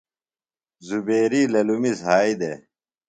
زبیری للمیۡ زھائی دےۡ۔